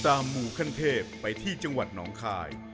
หมู่ขั้นเทพไปที่จังหวัดหนองคาย